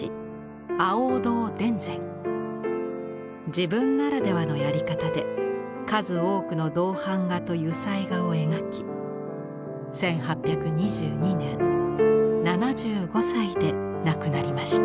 自分ならではのやり方で数多くの銅版画と油彩画を描き１８２２年７５歳で亡くなりました。